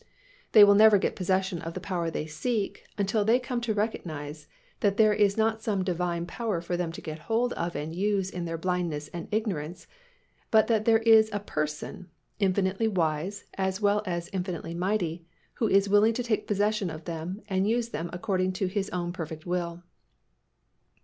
They will never get possession of the power they seek until they come to recognize that there is not some Divine power for them to get hold of and use in their blindness and ignorance but that there is a Person, infinitely wise, as well as infinitely mighty, who is willing to take possession of them and use them according to His own perfect will.